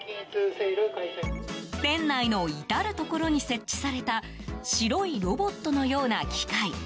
店内の至るところに設置された白いロボットのような機械。